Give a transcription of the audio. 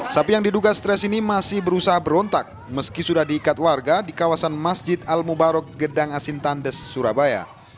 sapi yang diduga stres ini masih berusaha berontak meski sudah diikat warga di kawasan masjid al mubarok gedang asintandes surabaya